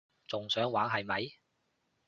仲想玩係咪？